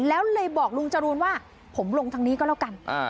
แล้วเลยบอกลุงจรูนว่าผมลงทางนี้ก็แล้วกัน